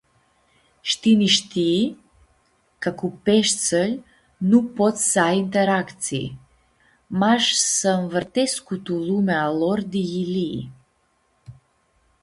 Sh-tini shtii ca cu peshtsãlj nu pots s-ai interactsii, mash s-anvãrtescu tu lumea a lor di yilii.